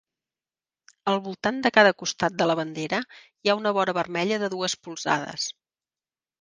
Al voltant de cada costat de la bandera hi ha una vora vermella de dues polzades.